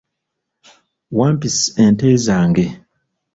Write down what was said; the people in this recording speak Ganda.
Wampisi ente zange.